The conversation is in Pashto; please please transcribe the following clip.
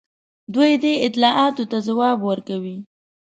دوی دې اطلاعاتو ته ځواب ورکوي.